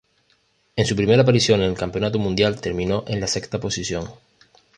En su primera aparición en el Campeonato Mundial terminó en la sexta posición.